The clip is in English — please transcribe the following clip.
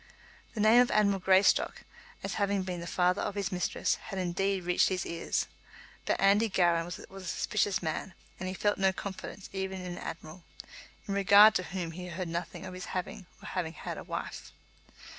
The name of Admiral Greystock, as having been the father of his mistress, had indeed reached his ears; but Andy Gowran was a suspicious man, and felt no confidence even in an admiral, in regard to whom he heard nothing of his having, or having had, a wife.